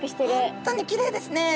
本当にきれいですね。